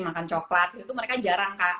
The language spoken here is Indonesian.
makan coklat itu mereka jarang kak